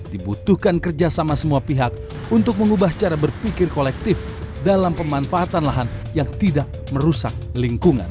dibutuhkan kerjasama semua pihak untuk mengubah cara berpikir kolektif dalam pemanfaatan lahan yang tidak merusak lingkungan